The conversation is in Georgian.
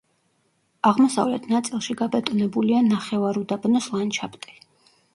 აღმოსავლეთ ნაწილში გაბატონებულია ნახევარუდაბნოს ლანდშაფტი.